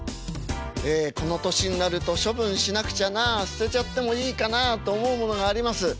ええこの年になると処分しなくちゃなあ捨てちゃってもいいかなあと思うものがあります。